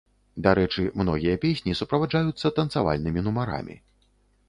Дарэчы, многія песні суправаджаюцца танцавальнымі нумарамі.